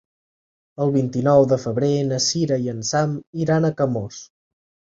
El vint-i-nou de febrer na Sira i en Sam iran a Camós.